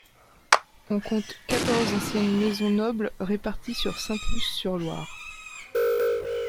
On compte quatorze anciennes maisons nobles réparties sur Sainte-Luce-sur-Loire.